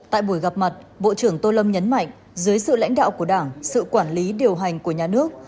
tại buổi gặp mặt bộ trưởng tô lâm nhấn mạnh dưới sự lãnh đạo của đảng sự quản lý điều hành của nhà nước